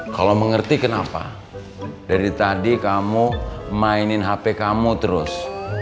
kalau mengerti kenapa dari tadi kamu mainin hp kamu terus